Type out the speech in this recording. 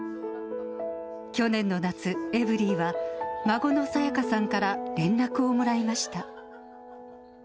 去年の夏、エブリィは、孫のさやかさんから連絡をもらいました。